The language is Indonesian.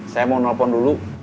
saya mau nelfon dulu